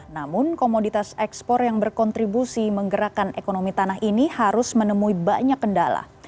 namun komoditas ekspor yang berkontribusi menggerakkan ekonomi tanah ini harus menemui banyak kendala